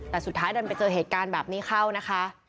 แต่สุดท้ายดันไปเจอเหตุการณ์แบบนี้เข้านะคะ